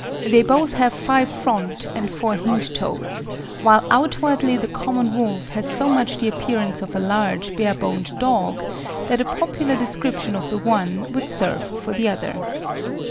They both have five front and four hind toes, while outwardly the common wolf has so much the appearance of a large, bare boned dog, that a popular description of the one would serve for the other.